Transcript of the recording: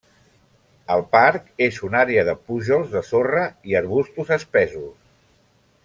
El parc és una àrea de pujols de sorra i arbustos espessos.